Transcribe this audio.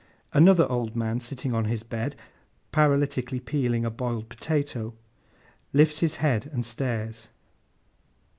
Another old man sitting on his bed, paralytically peeling a boiled potato, lifts his head and stares.